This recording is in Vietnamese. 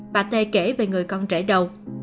bà tê kể về người con trẻ đầu